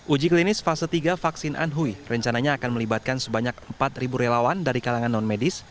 uji klinis fase tiga vaksin anhui rencananya akan melibatkan sebanyak empat relawan dari kalangan non medis